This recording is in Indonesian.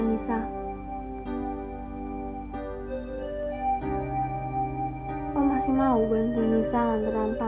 nisa di rumah om tidak bisa menangkapnya